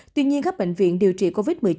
tuy nhiên các bệnh viện điều trị covid một mươi chín